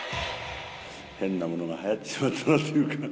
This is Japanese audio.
変なものがはやってしまったなというか。